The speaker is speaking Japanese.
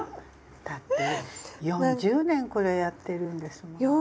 だって４０年これやってるんですもん。